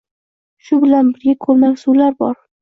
Shu bilan birga ko‘lmak suvlar bor.